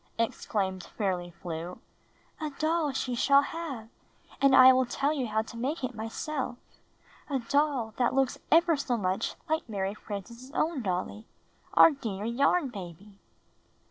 exclaimed Fairly Flew, ''a doll she shall have, and I will tell you how to make it myself — a doll that looks ever so much like Mary Frances' own dolly, our dear Yarn Baby!"